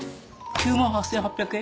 ９万８８００円。